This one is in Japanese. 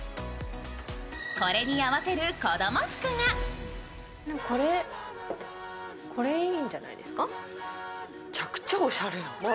これに合わせる子供服がこれいいんじゃないですか。